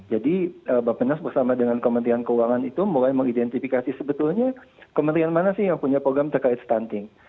jadi bapak penas bersama dengan kementerian keuangan itu mulai mengidentifikasi sebetulnya kementerian mana sih yang punya program terkait stunting